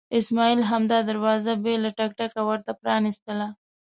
اسماعیل همدا دروازه بې له ټک ټکه ورته پرانستله.